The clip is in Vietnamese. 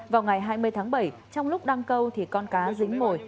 vào ngày hai mươi tháng bảy trong lúc đăng câu thì con cá dính mồi